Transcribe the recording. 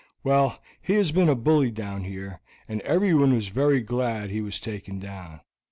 Well, he has been a bully down there, and everyone was very glad he was taken down.